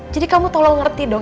jadi kamu tolong ngerti dong